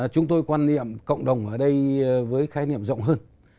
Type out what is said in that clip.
chúng tôi quan niệm cộng đồng ở đây với khái niệm rộng hơn